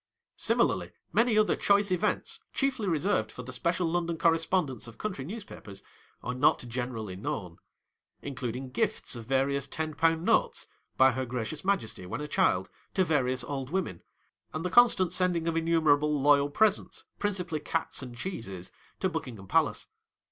Similarly, many other choice events, chiefly reserved for the special London correspondents of country news papers, are not generally known : including gifts of various ten pound notes, by her gracious Majesty when a child, to various old women ; and the constant sending of innumerable loyal presents, principally cats and cheeses, to Buckingham Palace.